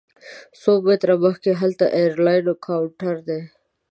څو متره مخکې هلته د ایرلاین کاونټر دی.